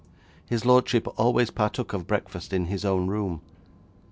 His lordship always partook of breakfast in his own room.